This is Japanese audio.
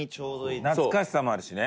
タカ：懐かしさもあるしね。